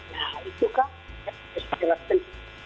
nah itu kan kita harus jelaskan